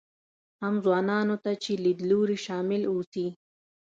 هم ځوانانو ته چې لیدلوري شامل اوسي.